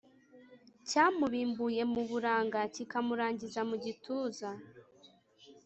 Cyamubimbuye mu buranga Kikamurangiza mu gituza,